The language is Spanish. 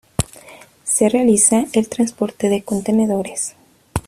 Se realiza el transporte de contenedores.